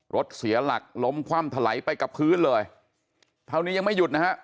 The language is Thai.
รถเสียหลักล้มคว่ำถลายไปกับพื้นเลยเท่านี้ยังไม่หยุดนะฮะ